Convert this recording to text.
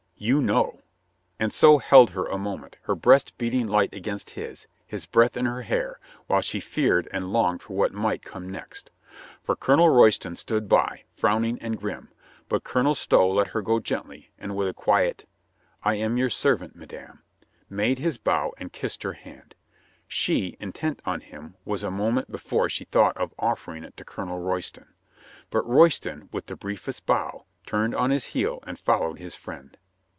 "You know." And so held her a moment, her breast beating light against his, his breath in her hair, while she feared and longed for what might come next. For Colonel Royston stood by, frowning and grim. But Colonel Stow let her go gently, and with a quiet, "I am your servant, madame," made his bow and kissed her hand. ... She, intent on him, was a moment be fore she thought of offering it to Colonel Royston, But Royston, with the briefest bow, turned on his heel and followed his friend.